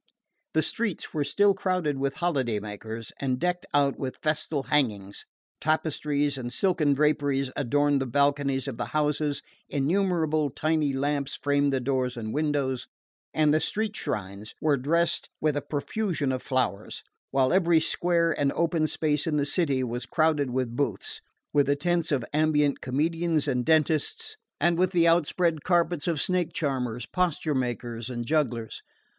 The streets were still crowded with holiday makers and decked out with festal hangings. Tapestries and silken draperies adorned the balconies of the houses, innumerable tiny lamps framed the doors and windows, and the street shrines were dressed with a profusion of flowers; while every square and open space in the city was crowded with booths, with the tents of ambulant comedians and dentists, and with the outspread carpets of snake charmers, posture makers and jugglers.